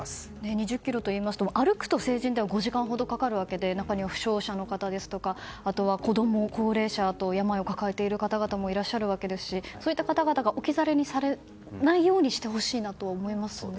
２０ｋｍといいますと歩くと成人では５時間ほどかかるので中には負傷者とかあとは子供、高齢者と病を抱えている方々もいらっしゃいますしそういった方々が置き去りにされないようにしてほしいなと思いますね。